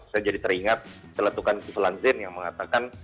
saya jadi teringat telatukan kisselan zain yang mengatakan